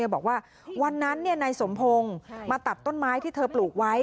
บอกว่าวันนั้นนายสมพงศ์มาตัดต้นไม้ที่เธอปลูกไว้